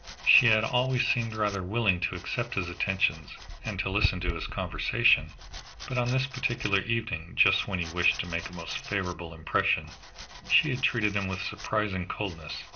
She had always seemed rather willing to accept his attentions and to listen to his conversation, but on this particular evening, just when he wished to make a most favorable impression, she had treated him with surprising coldness.